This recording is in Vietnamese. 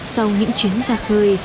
sau những chuyến ra khơi